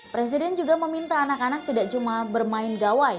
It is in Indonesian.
presiden juga meminta anak anak tidak cuma bermain gawai